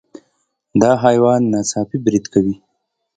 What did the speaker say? دا حیوان ناڅاپي برید کوي.